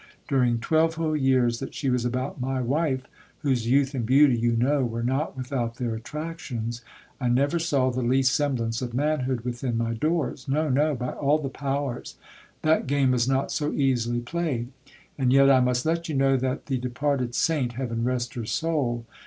During twelve whole years that she was about my wife, whose youth and beauty, you know, were not without their attractions, I never saw the least semblance of manhood within my doors. No, no ! by all the powers ! That game was not so easily played. And yet I must let you know that the departed saint, heaven rest her soul